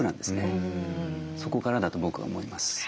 そこからだと僕は思います。